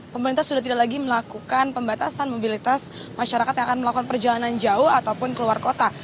pemerintah sudah tidak lagi melakukan pembatasan mobilitas masyarakat yang akan melakukan perjalanan jauh ataupun keluar kota